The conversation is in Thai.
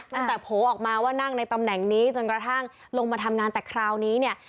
โผล่ออกมาว่านั่งในตำแหน่งนี้จนกระทั่งลงมาทำงานแต่คราวนี้เนี่ย